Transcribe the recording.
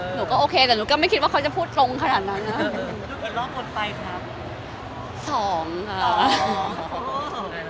หนูก็โอเคแต่หนูก็ไม่คิดว่าเขาจะพูดตรงขนาดนั้นนะ